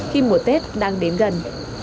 khi mùa tết đang đến gần